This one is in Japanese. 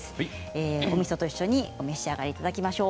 おみそとともにお召し上がりいただきましょう。